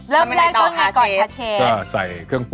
แล้วไงต่อค่ะเชฟ